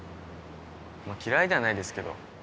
まぁ嫌いではないですけど。